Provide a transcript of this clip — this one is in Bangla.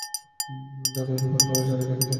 জাদুর প্রভাবে যারীদের হিতাহিত জ্ঞান ছিল না।